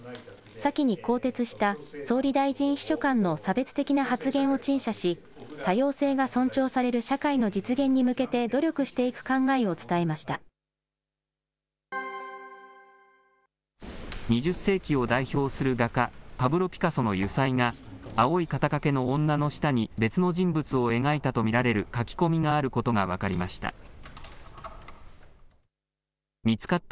先に更迭した総理大臣秘書官の差別的な発言を陳謝し、多様性が尊重される社会の実現に向けて努力していく考えを伝えま２０世紀を代表する画家、パブロ・ピカソの油彩画、青い肩かけの女の下に別の人物を描いたと見られる描き込みがあることが分かりました。